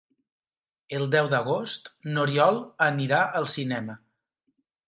El deu d'agost n'Oriol anirà al cinema.